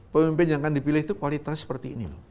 pemimpin yang akan dipilih itu kualitas seperti ini